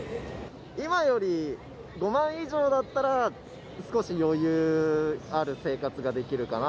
今より５万以上だったら、少し余裕ある生活ができるかな。